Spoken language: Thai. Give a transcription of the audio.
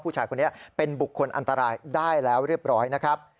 ผู้ชายคนนี้เป็นบุคคลอันตรายได้แล้วเรียบร้อยนะครับ